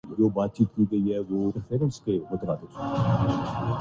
ہاتھ کنگن کو آرسی کیا اور پڑھے لکھے کو فارسی کیا